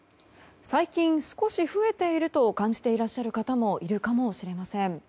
最近、少し増えていると感じていらっしゃる方もいるかもしれません。